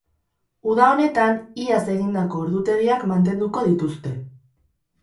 Uda honetan, iaz egindako ordutegiak mantenduko dituzte.